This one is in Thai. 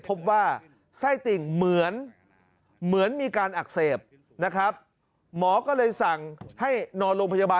พบว่าไส้ติ่งเหมือนมีการอักเสบนะครับหมอก็เลยสั่งให้นอนโรงพยาบาล